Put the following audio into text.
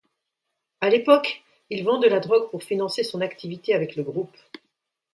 À l'époque, il vend de la drogue pour financer son activité avec le groupe.